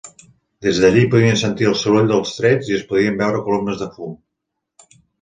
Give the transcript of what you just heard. Des d'allí podien sentir el soroll dels trets i podien veure columnes de fum.